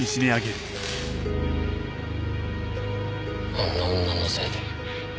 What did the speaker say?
あんな女のせいで。